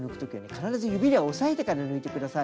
必ず指で押さえてから抜いて下さい。